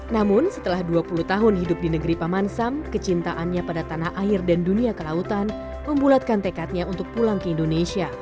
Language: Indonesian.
namun setelah dua puluh tahun hidup di negeri paman sam kecintaannya pada tanah air dan dunia kelautan membulatkan tekadnya untuk pulang ke indonesia